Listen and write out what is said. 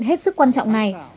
hết sức quan trọng này